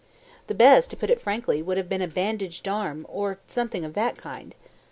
The best, to put it frankly, would have been a bandaged arm, or something of that kind.